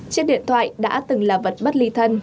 chiếc điện thoại đã từng là vật bất ly thân